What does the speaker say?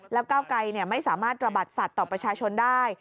แล้วก้าวไกรไม่สามารถระบัดสัตว์ต่อประชาชนได้